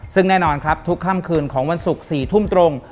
ซึ่งแน่นอนครับทุกค่ำคืนของวันศุกร์๔ทุ่มตรง